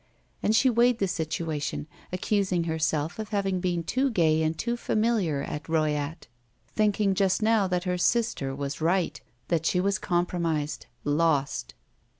And she weighed the situation, accusing herself of having been too gay and too familiar at Royat, thinking just now that her sister was right, that she was compromised, lost!